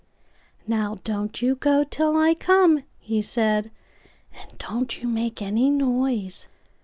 "Now don't you go till I come," he said,"And don't you make any noise!"